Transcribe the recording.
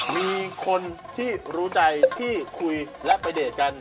มีคนที่รู้ใจที่คุยและไปเดทกัน